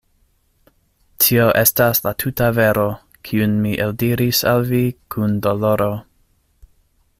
Tio estas la tuta vero, kiun mi eldiris al vi kun doloro.